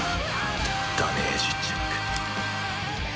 ダメージチェック。